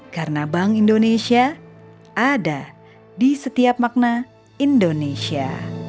karena bank indonesia ada di setiap makna indonesia